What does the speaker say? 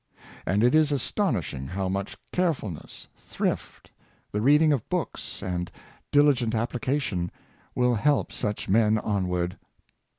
And it is astonishing how much care fulness, thrift, the reading of books, and diligent appli cation, will help such men onward.